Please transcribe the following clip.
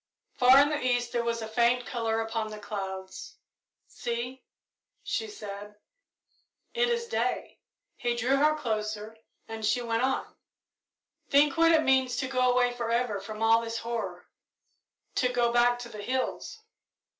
Far in the east there was a faint colour upon the clouds. "See," she said, "it is day." He drew her closer, and she went on, "Think what it means to go away forever from all this horror to go back to the hills!"